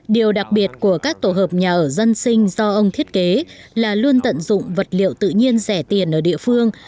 điều đặc biệt của các tổ hợp nhà ở dân sinh do ông thiết kế là luôn tận dụng vật liệu tự nhiên rẻ tiền ở địa phương